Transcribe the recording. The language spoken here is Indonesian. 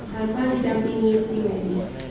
tanpa didampingi tim medis